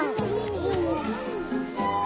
いいね。